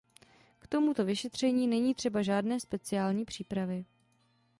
K tomuto vyšetření není třeba žádné speciální přípravy.